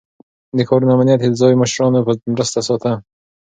د ښارونو امنيت يې د ځايي مشرانو په مرسته ساته.